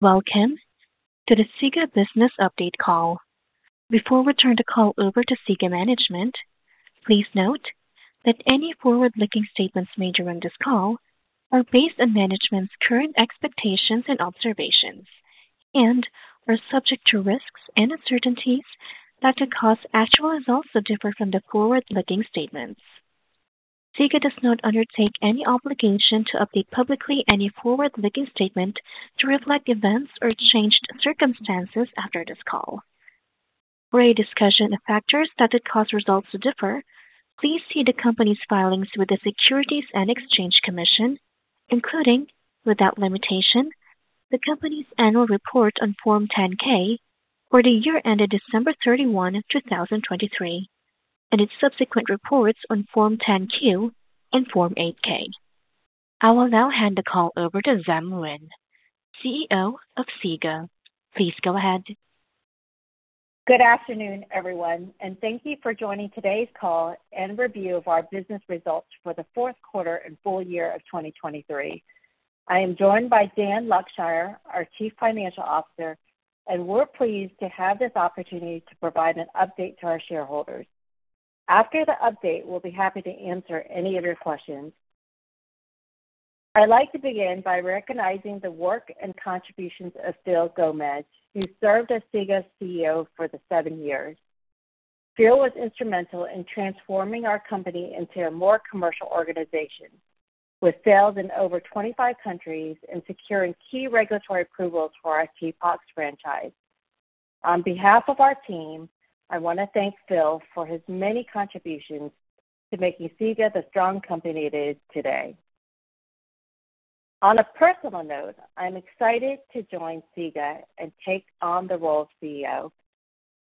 Welcome to the SIGA Business Update call. Before we turn the call over to SIGA management, please note that any forward-looking statements made during this call are based on management's current expectations and observations, and are subject to risks and uncertainties that could cause actual results to differ from the forward-looking statements. SIGA does not undertake any obligation to update publicly any forward-looking statement to reflect events or changed circumstances after this call. For any discussion of factors that could cause results to differ, please see the company's filings with the Securities and Exchange Commission, including, without limitation, the company's annual report on Form 10-K for the year ended December 31, 2023, and its subsequent reports on Form 10-Q and Form 8-K. I will now hand the call over to Diem Nguyen, CEO of SIGA. Please go ahead. Good afternoon, everyone, and thank you for joining today's call and review of our business results for the fourth quarter and full year of 2023. I am joined by Dan Luckshire, our Chief Financial Officer, and we're pleased to have this opportunity to provide an update to our shareholders. After the update, we'll be happy to answer any of your questions. I'd like to begin by recognizing the work and contributions of Phil Gomez, who served as SIGA's CEO for the seven years. Phil was instrumental in transforming our company into a more commercial organization, with sales in over 25 countries and securing key regulatory approvals for our TPOXX franchise. On behalf of our team, I want to thank Phil for his many contributions to making SIGA the strong company it is today. On a personal note, I'm excited to join SIGA and take on the role of CEO.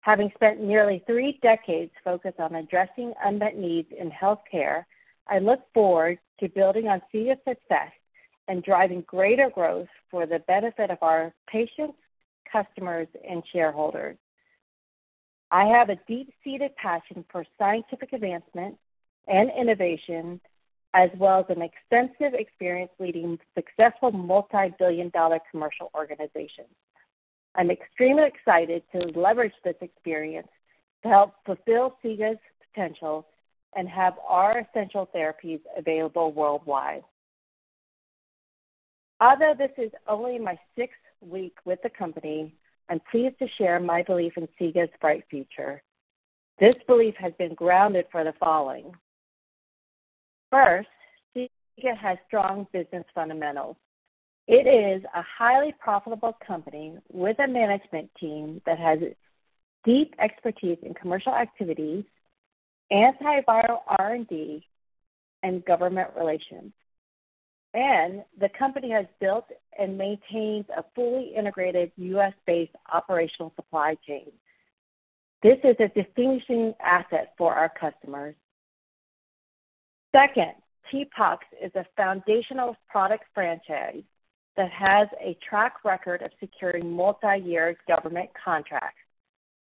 Having spent nearly three decades focused on addressing unmet needs in healthcare, I look forward to building on SIGA's success and driving greater growth for the benefit of our patients, customers, and shareholders. I have a deep-seated passion for scientific advancement and innovation, as well as an extensive experience leading successful multi-billion-dollar commercial organizations. I'm extremely excited to leverage this experience to help fulfill SIGA's potential and have our essential therapies available worldwide. Although this is only my sixth week with the company, I'm pleased to share my belief in SIGA's bright future. This belief has been grounded for the following. First, SIGA has strong business fundamentals. It is a highly profitable company with a management team that has deep expertise in commercial activities, antiviral R&D, and government relations. The company has built and maintains a fully integrated U.S.-based operational supply chain. This is a distinguishing asset for our customers. Second, TPOXX is a foundational product franchise that has a track record of securing multi-year government contracts,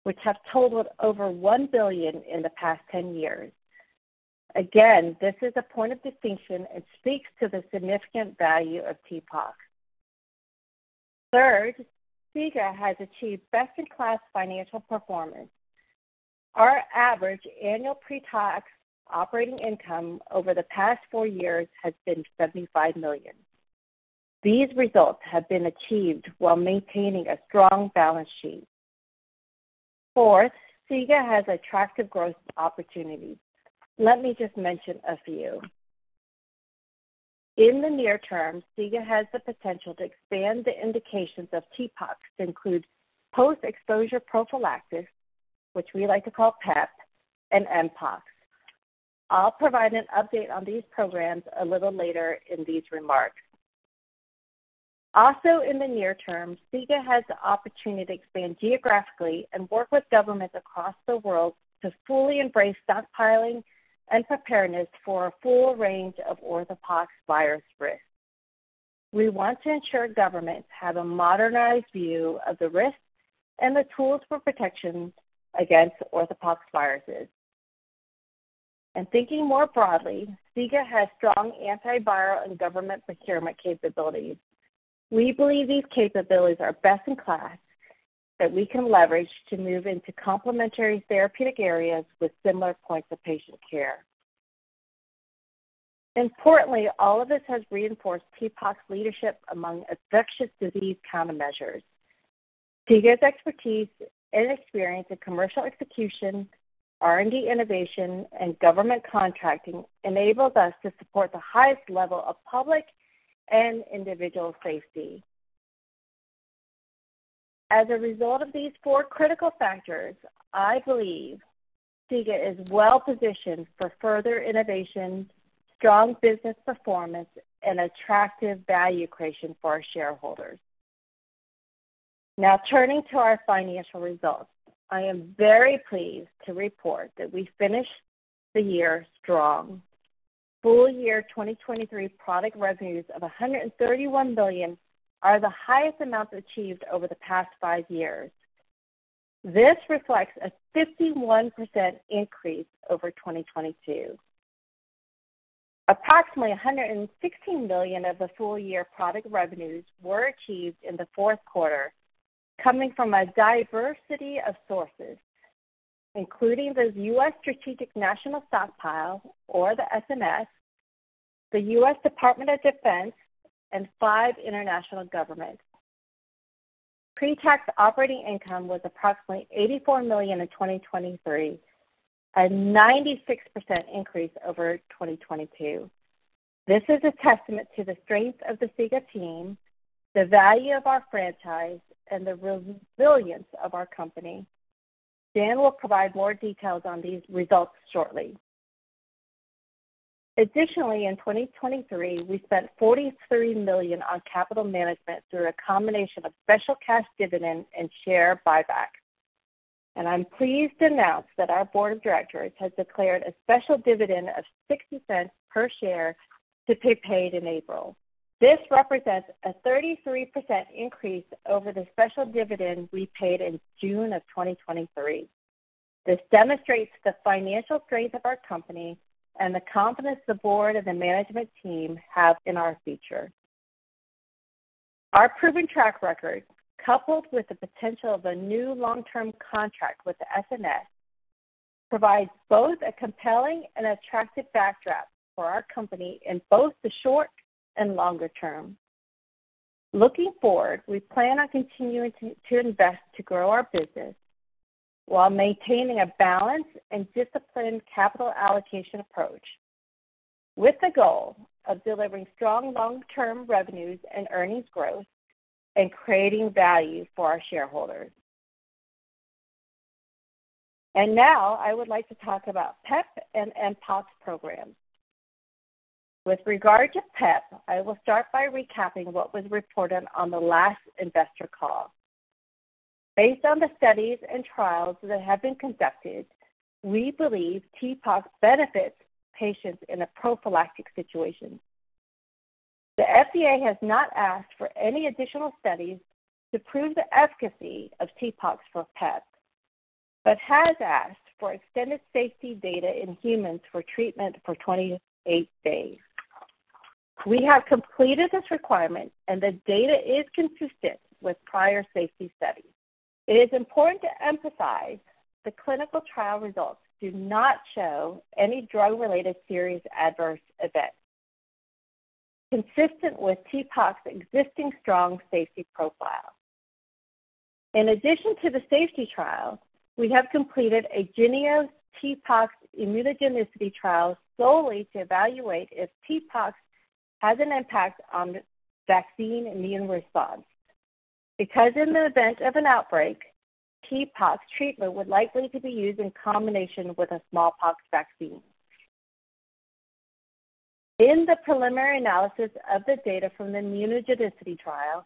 which have totaled over $1 billion in the past 10 years. Again, this is a point of distinction and speaks to the significant value of TPOXX. Third, SIGA has achieved best-in-class financial performance. Our average annual pre-tax operating income over the past four years has been $75 million. These results have been achieved while maintaining a strong balance sheet. Fourth, SIGA has attractive growth opportunities. Let me just mention a few. In the near term, SIGA has the potential to expand the indications of TPOXX to include post-exposure prophylaxis, which we like to call PEP, and mpox. I'll provide an update on these programs a little later in these remarks. Also, in the near term, SIGA has the opportunity to expand geographically and work with governments across the world to fully embrace stockpiling and preparedness for a full range of orthopoxvirus risks. We want to ensure governments have a modernized view of the risks and the tools for protection against orthopoxviruses. And thinking more broadly, SIGA has strong antiviral and government procurement capabilities. We believe these capabilities are best-in-class that we can leverage to move into complementary therapeutic areas with similar points of patient care. Importantly, all of this has reinforced TPOXX's leadership among infectious disease countermeasures. SIGA's expertise and experience in commercial execution, R&D innovation, and government contracting enabled us to support the highest level of public and individual safety. As a result of these four critical factors, I believe SIGA is well-positioned for further innovation, strong business performance, and attractive value creation for our shareholders. Now, turning to our financial results, I am very pleased to report that we finished the year strong. Full year 2023 product revenues of $131 billion are the highest amounts achieved over the past five years. This reflects a 51% increase over 2022. Approximately $116 million of the full year product revenues were achieved in the fourth quarter, coming from a diversity of sources, including the U.S. Strategic National Stockpile, or the SNS, the U.S. Department of Defense, and five international governments. Pre-tax operating income was approximately $84 million in 2023, a 96% increase over 2022. This is a testament to the strength of the SIGA team, the value of our franchise, and the resilience of our company. Dan will provide more details on these results shortly. Additionally, in 2023, we spent $43 million on capital management through a combination of special cash dividend and share buyback. And I'm pleased to announce that our board of directors has declared a special dividend of $0.60 per share to be paid in April. This represents a 33% increase over the special dividend we paid in June of 2023. This demonstrates the financial strength of our company and the confidence the board and the management team have in our future. Our proven track record, coupled with the potential of a new long-term contract with the SNS, provides both a compelling and attractive backdrop for our company in both the short and longer term. Looking forward, we plan on continuing to invest to grow our business while maintaining a balanced and disciplined capital allocation approach, with the goal of delivering strong long-term revenues and earnings growth and creating value for our shareholders. And now I would like to talk about PEP and mpox programs. With regard to PEP, I will start by recapping what was reported on the last investor call. Based on the studies and trials that have been conducted, we believe TPOXX benefits patients in a prophylactic situation. The FDA has not asked for any additional studies to prove the efficacy of TPOXX for PEP, but has asked for extended safety data in humans for treatment for 28 days. We have completed this requirement, and the data is consistent with prior safety studies. It is important to emphasize the clinical trial results do not show any drug-related serious adverse events, consistent with TPOXX's existing strong safety profile. In addition to the safety trial, we have completed a JYNNEOS TPOXX immunogenicity trial solely to evaluate if TPOXX has an impact on vaccine immune response. Because in the event of an outbreak, TPOXX treatment would likely to be used in combination with a smallpox vaccine. In the preliminary analysis of the data from the immunogenicity trial,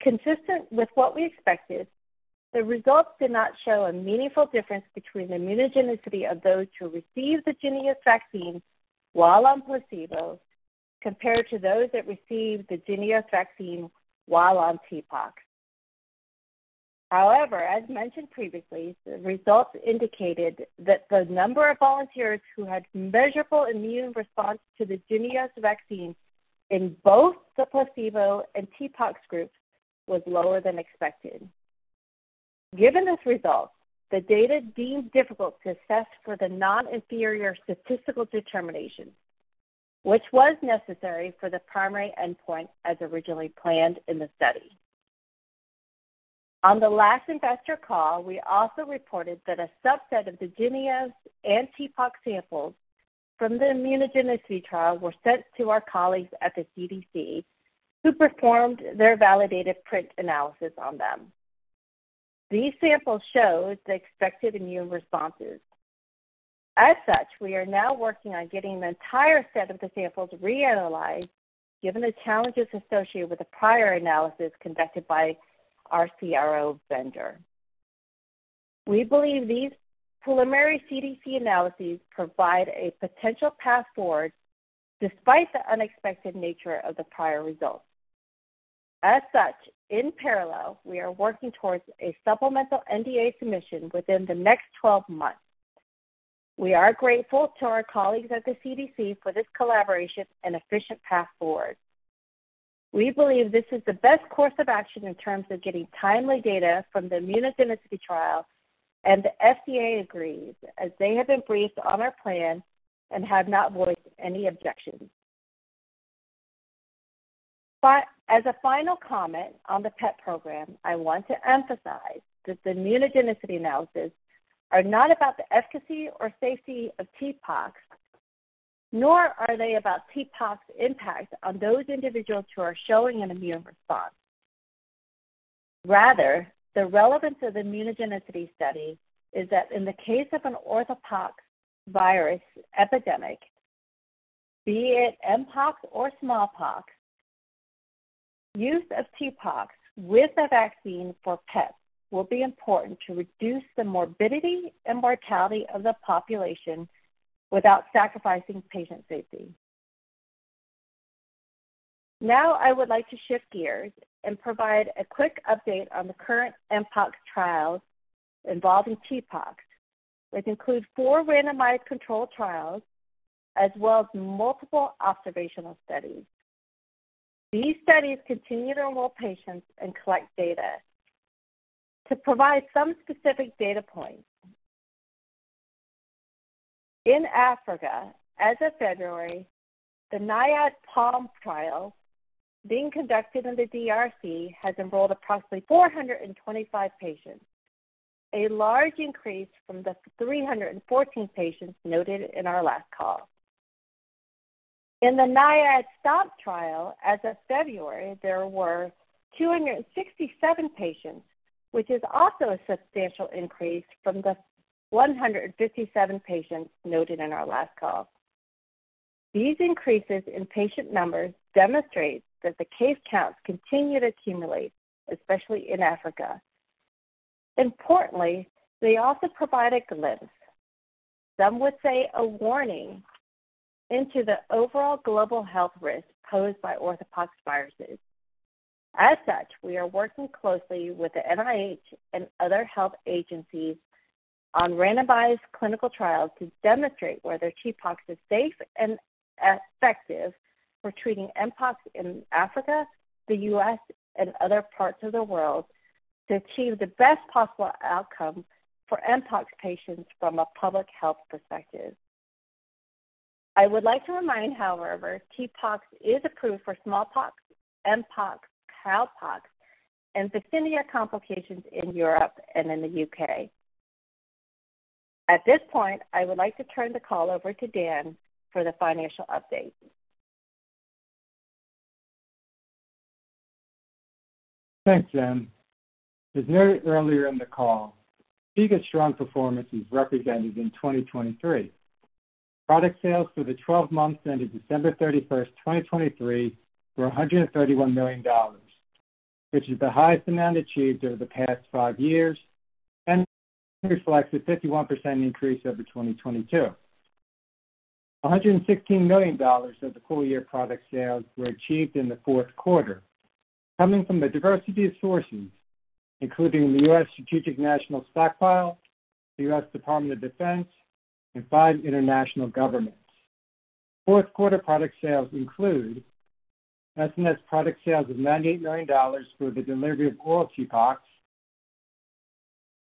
consistent with what we expected, the results did not show a meaningful difference between the immunogenicity of those who received the JYNNEOS vaccine while on placebo compared to those that received the JYNNEOS vaccine while on TPOXX. However, as mentioned previously, the results indicated that the number of volunteers who had measurable immune response to the JYNNEOS vaccine in both the placebo and TPOXX groups was lower than expected. Given this result, the data deemed difficult to assess for the non-inferior statistical determination, which was necessary for the primary endpoint as originally planned in the study. On the last investor call, we also reported that a subset of the JYNNEOS and TPOXX samples from the immunogenicity trial were sent to our colleagues at the CDC, who performed their validated PRNT analysis on them. These samples showed the expected immune responses. As such, we are now working on getting the entire set of the samples reanalyzed, given the challenges associated with the prior analysis conducted by our CRO vendor. We believe these preliminary CDC analyses provide a potential path forward despite the unexpected nature of the prior results. As such, in parallel, we are working towards a supplemental NDA submission within the next 12 months. We are grateful to our colleagues at the CDC for this collaboration and efficient path forward. We believe this is the best course of action in terms of getting timely data from the immunogenicity trial, and the FDA agrees as they have been briefed on our plan and have not voiced any objections. As a final comment on the PEP program, I want to emphasize that the immunogenicity analyses are not about the efficacy or safety of TPOXX, nor are they about TPOXX's impact on those individuals who are showing an immune response. Rather, the relevance of the immunogenicity studies is that in the case of an orthopoxvirus epidemic, be it mpox or smallpox, use of TPOXX with a vaccine for PEP will be important to reduce the morbidity and mortality of the population without sacrificing patient safety. Now I would like to shift gears and provide a quick update on the current mpox trials involving TPOXX, which include four randomized controlled trials as well as multiple observational studies. These studies continue to enroll patients and collect data. To provide some specific data points, in Africa, as of February, the NIAID PALM trial being conducted in the DRC has enrolled approximately 425 patients, a large increase from the 314 patients noted in our last call. In the NIAID STOMP trial as of February, there were 267 patients, which is also a substantial increase from the 157 patients noted in our last call. These increases in patient numbers demonstrate that the case counts continue to accumulate, especially in Africa. Importantly, they also provide a glimpse, some would say a warning, into the overall global health risks posed by orthopoxviruses. As such, we are working closely with the NIH and other health agencies on randomized clinical trials to demonstrate whether TPOXX is safe and effective for treating mpox in Africa, the U.S., and other parts of the world to achieve the best possible outcome for mpox patients from a public health perspective. I would like to remind, however, TPOXX is approved for smallpox, mpox, cowpox, and vaccinia complications in Europe and in the U.K. At this point, I would like to turn the call over to Dan for the financial update. Thanks, Diem. As noted earlier in the call, SIGA's strong performance is represented in 2023. Product sales for the 12 months ending December 31st, 2023, were $131 million, which is the highest amount achieved over the past five years and reflects a 51% increase over 2022. $116 million of the full year product sales were achieved in the fourth quarter, coming from a diversity of sources, including the U.S. Strategic National Stockpile, the U.S. Department of Defense, and five international governments. Fourth quarter product sales include SNS product sales of $98 million for the delivery of oral TPOXX,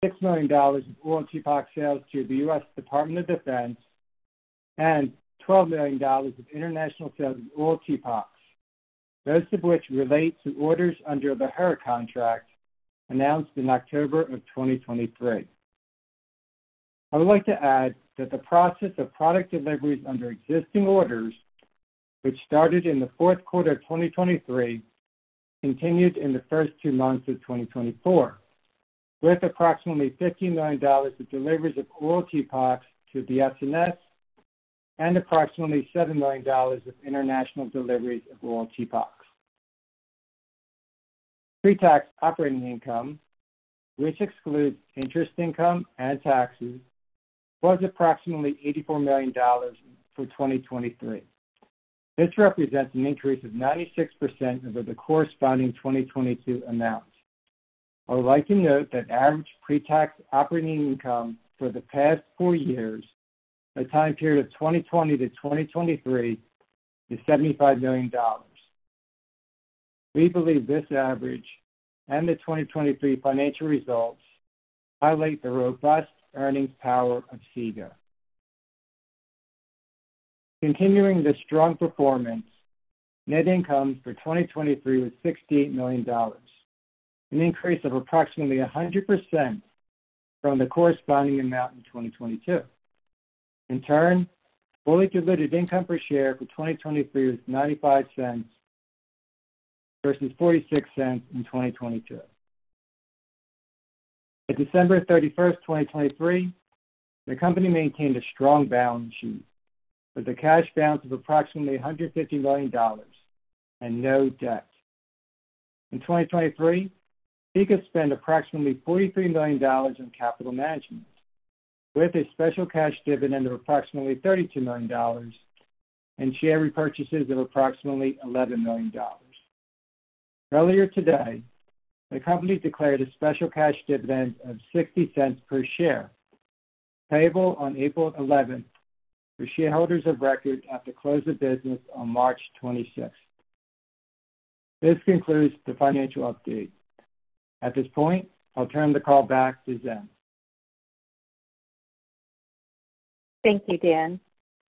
$6 million of oral TPOXX sales to the U.S. Department of Defense, and $12 million of international sales of oral TPOXX, most of which relate to orders under the HERA contract announced in October of 2023. I would like to add that the process of product deliveries under existing orders, which started in the fourth quarter of 2023, continued in the first two months of 2024, with approximately $50 million of deliveries of oral TPOXX to the SNS and approximately $7 million of international deliveries of oral TPOXX. Pre-tax operating income, which excludes interest income and taxes, was approximately $84 million for 2023. This represents an increase of 96% over the corresponding 2022 amount. I would like to note that average pre-tax operating income for the past four years, the time period of 2020 to 2023, is $75 million. We believe this average and the 2023 financial results highlight the robust earnings power of SIGA. Continuing the strong performance, net income for 2023 was $68 million, an increase of approximately 100% from the corresponding amount in 2022. In turn, fully diluted earnings per share for 2023 was $0.95 versus $0.46 in 2022. At December 31st, 2023, the company maintained a strong balance sheet with a cash balance of approximately $150 million and no debt. In 2023, SIGA spent approximately $43 million on capital management, with a special cash dividend of approximately $32 million and share repurchases of approximately $11 million. Earlier today, the company declared a special cash dividend of $0.60 per share payable on April 11th for shareholders of record at the close of business on March 26th. This concludes the financial update. At this point, I'll turn the call back to Diem. Thank you, Dan.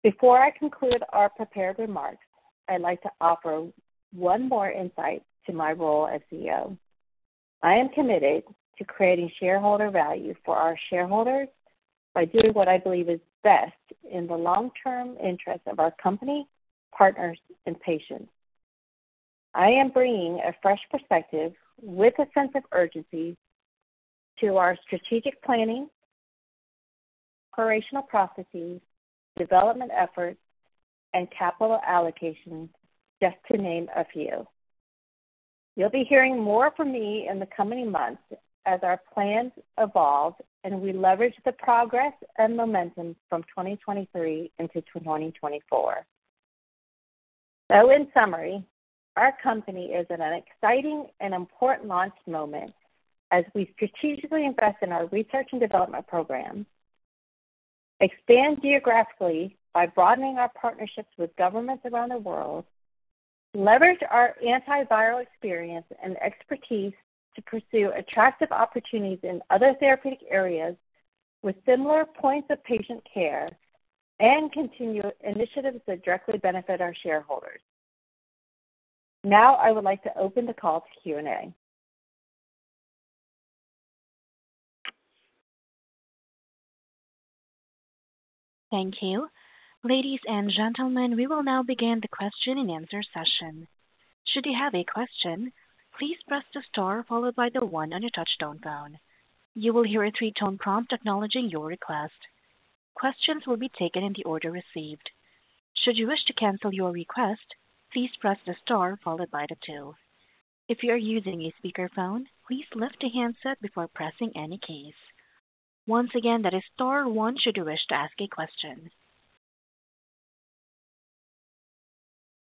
Before I conclude our prepared remarks, I'd like to offer one more insight to my role as CEO. I am committed to creating shareholder value for our shareholders by doing what I believe is best in the long-term interests of our company, partners, and patients. I am bringing a fresh perspective with a sense of urgency to our strategic planning, operational processes, development efforts, and capital allocations, just to name a few. You'll be hearing more from me in the coming months as our plans evolve and we leverage the progress and momentum from 2023 into 2024. So, in summary, our company is at an exciting and important launch moment as we strategically invest in our research and development programs, expand geographically by broadening our partnerships with governments around the world, leverage our antiviral experience and expertise to pursue attractive opportunities in other therapeutic areas with similar points of patient care, and continue initiatives that directly benefit our shareholders. Now I would like to open the call to Q&A. Thank you. Ladies and gentlemen, we will now begin the question-and-answer session. Should you have a question, please press the star followed by the one on your touch-tone phone. You will hear a three-tone prompt acknowledging your request. Questions will be taken in the order received. Should you wish to cancel your request, please press the star followed by the two. If you are using a speakerphone, please lift the handset before pressing any keys. Once again, that is star one should you wish to ask a question.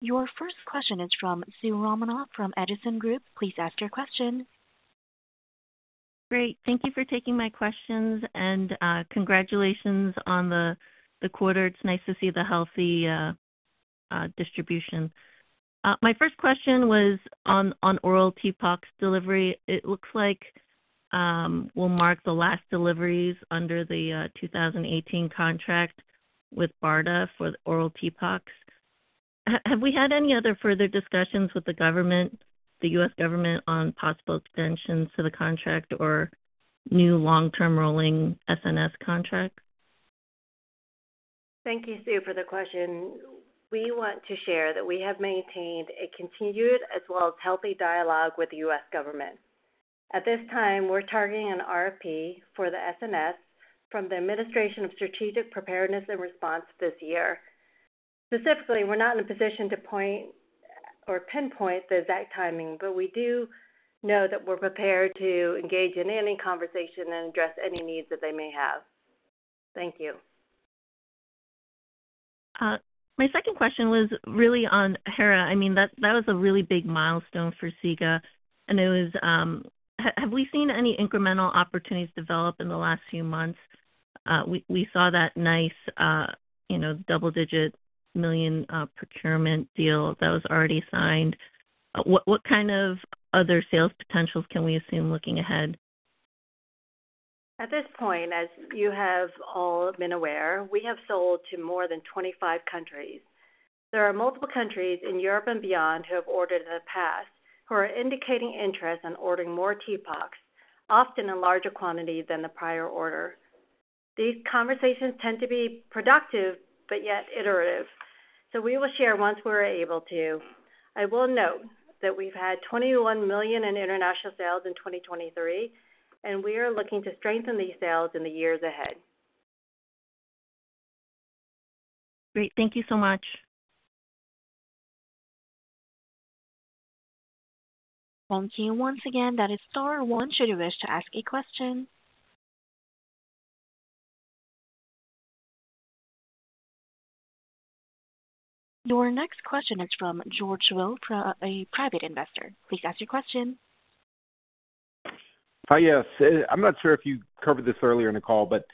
Your first question is from Soo Romanoff from Edison Group. Please ask your question. Great. Thank you for taking my questions and congratulations on the quarter. It's nice to see the healthy distribution. My first question was on oral TPOXX delivery. It looks like we'll make the last deliveries under the 2018 contract with BARDA for oral TPOXX. Have we had any other further discussions with the government, the U.S. government, on possible extensions to the contract or new long-term rolling SNS contracts? Thank you, Soo, for the question. We want to share that we have maintained a continued as well as healthy dialogue with the U.S. government. At this time, we're targeting an RFP for the SNS from the Administration for Strategic Preparedness and Response this year. Specifically, we're not in a position to point or pinpoint the exact timing, but we do know that we're prepared to engage in any conversation and address any needs that they may have. Thank you. My second question was really on HERA. I mean, that was a really big milestone for SIGA, and it was have we seen any incremental opportunities develop in the last few months? We saw that nice double-digit million procurement deal that was already signed. What kind of other sales potentials can we assume looking ahead? At this point, as you have all been aware, we have sold to more than 25 countries. There are multiple countries in Europe and beyond who have ordered in the past who are indicating interest in ordering more TPOXX, often in larger quantity than the prior order. These conversations tend to be productive but yet iterative, so we will share once we're able to. I will note that we've had $21 million in international sales in 2023, and we are looking to strengthen these sales in the years ahead. Great. Thank you so much. To ask a question once again, that is star one if you wish to ask a question. Your next question is from George Will, a private investor. Please ask your question. Hi, yes. I'm not sure if you covered this earlier in the call, but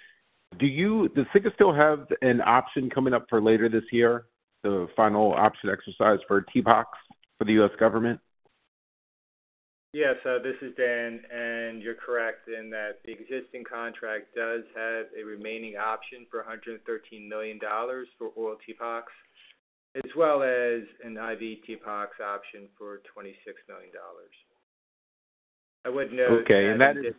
does SIGA still have an option coming up for later this year, the final option exercise for TPOXX for the U.S. government? Yes. This is Dan, and you're correct in that the existing contract does have a remaining option for $113 million for oral TPOXX, as well as an IV TPOXX option for $26 million. I would note that. Okay.And that is—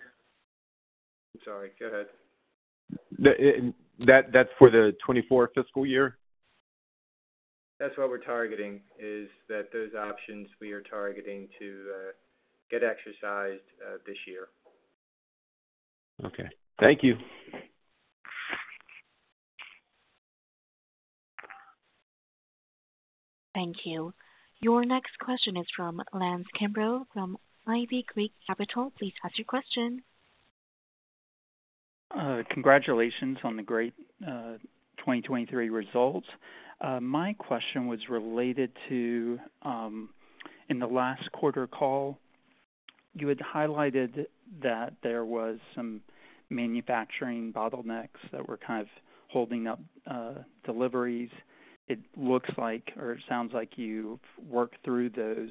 I'm sorry. Go ahead. That's for the 2024 fiscal year? That's what we're targeting, is that those options we are targeting to get exercised this year. Okay. Thank you. Thank you. Your next question is from Lance Kimbrough from Ivy Creek Capital. Please ask your question. Congratulations on the great 2023 results. My question was related to in the last quarter call, you had highlighted that there was some manufacturing bottlenecks that were kind of holding up deliveries. It looks like or it sounds like you've worked through those.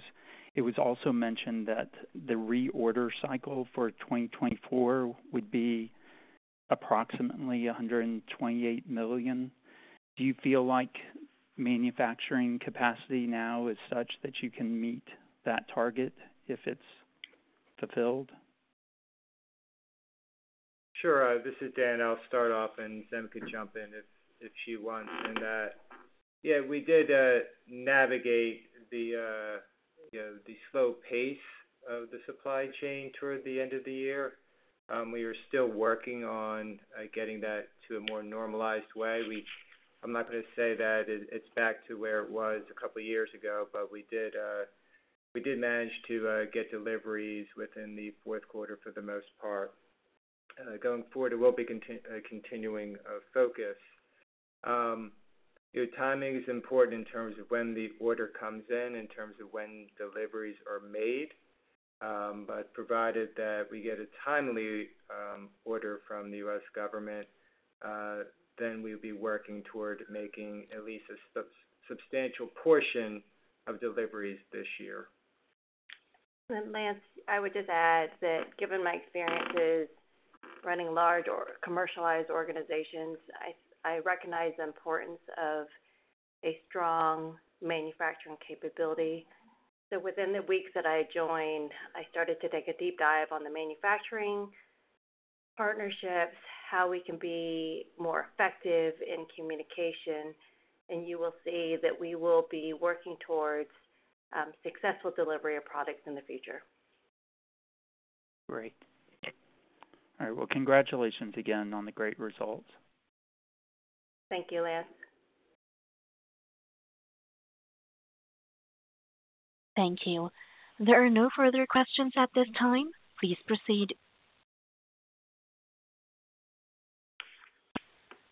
It was also mentioned that the reorder cycle for 2024 would be approximately $128 million. Do you feel like manufacturing capacity now is such that you can meet that target if it's fulfilled? Sure. This is Dan. I'll start off, and Diem could jump in if she wants. And yeah, we did navigate the slow pace of the supply chain toward the end of the year. We are still working on getting that to a more normalized way. I'm not going to say that it's back to where it was a couple of years ago, but we did manage to get deliveries within the fourth quarter for the most part. Going forward, it will be a continuing focus. Timing is important in terms of when the order comes in, in terms of when deliveries are made, but provided that we get a timely order from the U.S. government, then we would be working toward making at least a substantial portion of deliveries this year. Lance, I would just add that given my experiences running large or commercialized organizations, I recognize the importance of a strong manufacturing capability. Within the weeks that I joined, I started to take a deep dive on the manufacturing partnerships, how we can be more effective in communication, and you will see that we will be working towards successful delivery of products in the future. Great. All right. Well, congratulations again on the great results. Thank you, Lance. Thank you. There are no further questions at this time. Please proceed.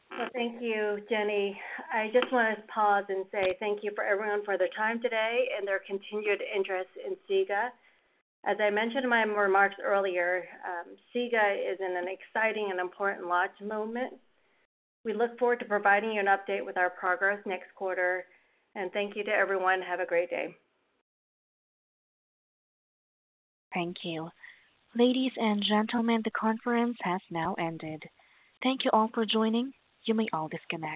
Well, thank you, Jenny. I just want to pause and say thank you for everyone for their time today and their continued interest in SIGA. As I mentioned in my remarks earlier, SIGA is in an exciting and important launch moment. We look forward to providing you an update with our progress next quarter, and thank you to everyone. Have a great day. Thank you. Ladies and gentlemen, the conference has now ended. Thank you all for joining. You may all disconnect.